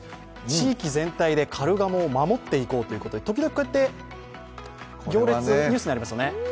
地域全体で、カルガモを守っていこうということで時々こうやって行列でニュースになりますよね。